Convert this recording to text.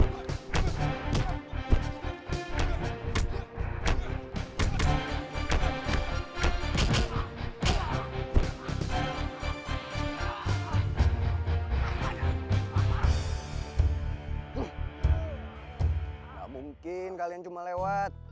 tidak mungkin kalian cuma lewat